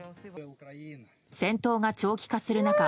戦闘が長期化する中